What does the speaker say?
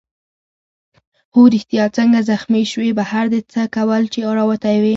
هو ریښتیا څنګه زخمي شوې؟ بهر دې څه کول چي راوتی وې؟